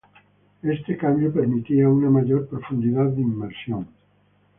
Este cambio permitía una mayor profundidad de inmersión.